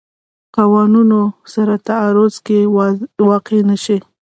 قوانونو سره تعارض کې واقع نه شي.